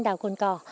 đảo quần cò